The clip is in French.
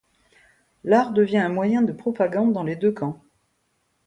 L'art devient un moyen de propagande dans les deux camps.